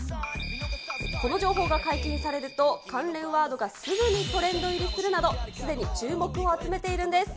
この情報が解禁されると、関連ワードがすぐにトレンド入りするなど、すでに注目を集めているんです。